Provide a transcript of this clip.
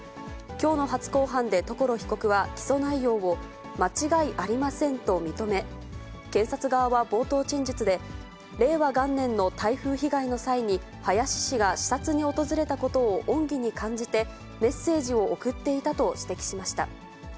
きょうの初公判で所被告は起訴内容を、間違いありませんと認め、検察側は冒頭陳述で、令和元年の台風被害の際に、林氏が視察に訪れたことを恩義に感じて、メッセージを送っていたと指摘しました。